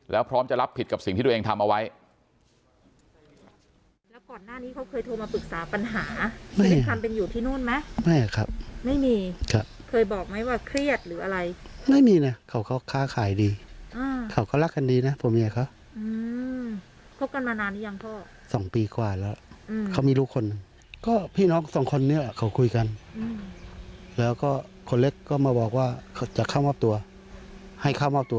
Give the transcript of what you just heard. แล้วพร้อมจะรับผิดกับสิ่งที่ตัวเองทำเอาไว้